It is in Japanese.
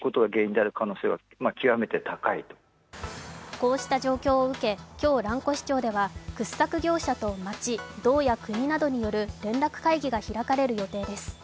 こうした状況を受け、今日、蘭越町では掘削業者と町、道や国などによる連絡会議が開かれる予定です。